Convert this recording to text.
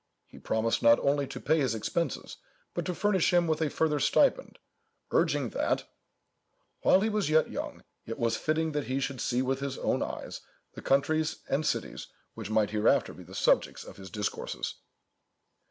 He promised not only to pay his expenses, but to furnish him with a further stipend, urging, that, "While he was yet young, it was fitting that he should see with his own eyes the countries and cities which might hereafter be the subjects of his discourses."